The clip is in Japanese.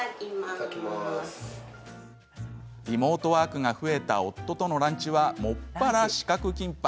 リモートワークが増えた夫とのランチは専ら四角キンパ。